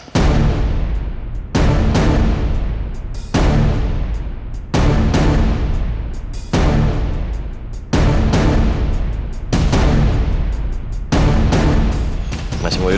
ketemu lagi di depan kami